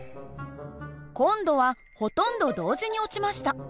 今度はほとんど同時に落ちました。